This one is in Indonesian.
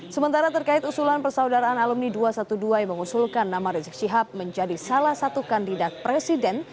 sementara terkait usulan persaudaraan alumni dua ratus dua belas yang mengusulkan nama rizik syihab menjadi salah satu kandidat presiden